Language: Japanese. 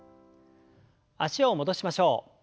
脚を戻しましょう。